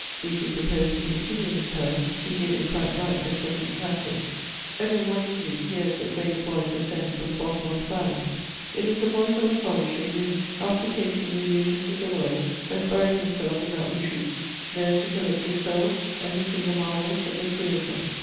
Beattie proposed to continue his poem; he did, in fact, write the second canto: Edwin one evening hears a grave voice ascend from the bottom of the valley; it is the voice of a solitary who, after tasting the illusions of the world, has buried himself in that retreat, there to collect his soul and to sing the marvels of the Creator.